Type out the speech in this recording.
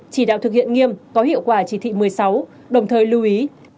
chỉ đạo thực hiện nghiêm có hiệu quả chỉ thị một mươi sáu đồng thời lưu ý